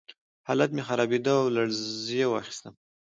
حالت مې خرابېده او لړزې واخیستم